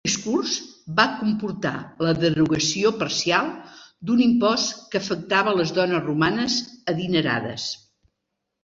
Aquest discurs va comportar la derogació parcial d'un impost que afectava les dones romanes adinerades.